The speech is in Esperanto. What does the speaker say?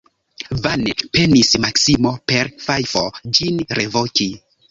Vane penis Maksimo per fajfo ĝin revoki.